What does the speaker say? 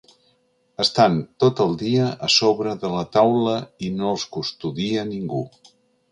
Estan tot el dia a sobre de la taula i no els custodia ningú.